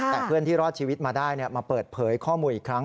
แต่เพื่อนที่รอดชีวิตมาได้มาเปิดเผยข้อมูลอีกครั้ง